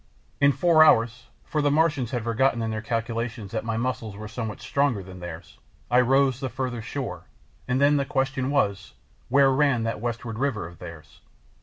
In four hours (for the Martians had forgotten in their calculations that my muscles were something better than theirs) I "rose" the further shore, and then the question was, Where ran that westward river of theirs?